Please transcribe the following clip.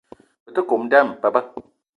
Be te kome dame pabe